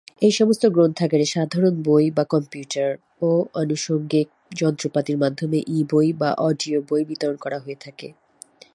এই সমস্ত গ্রন্থাগারে সাধারণ বই বা কম্পিউটার ও আনুষঙ্গিক যন্ত্রপাতির মাধ্যমে ই-বই বা অডিও বই বিতরণ করা হয়ে থাকে।